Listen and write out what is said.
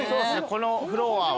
このフロアは。